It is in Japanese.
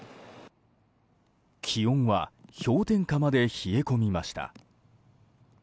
気温は氷点下まで冷え込みました。